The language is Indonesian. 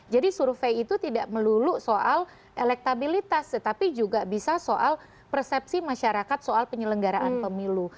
jadi survei itu tidak melulu soal elektabilitas tetapi juga bisa soal persepsi masyarakat soal penyelenggaraan pemilu